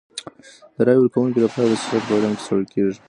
د رایي ورکوونکو رفتار د سیاست په علم کي څېړل کیږي.